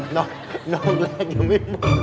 เดี๋ยวนอนแรงอยู่ละ